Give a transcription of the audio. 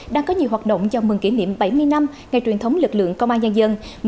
đang có nhiều hoạt động chào mừng kỷ niệm bảy mươi năm ngày truyền thống lực lượng công an nhân dân